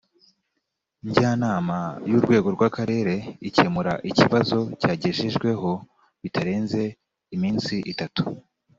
njyanama y’urwego rw akarere icyemura ikibazo yagejejweho bitarenze iminsi itatu